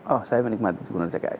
oh saya menikmati gubernur dki